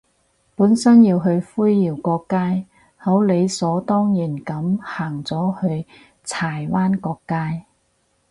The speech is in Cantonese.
本身要去灰窰角街，好理所當然噉行咗去柴灣角街